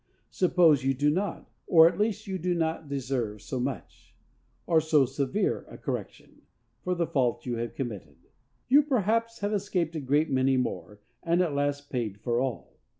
Suppose you do not, or at least you do not deserve so much, or so severe a correction, for the fault you have committed; you perhaps have escaped a great many more, and at last paid for all.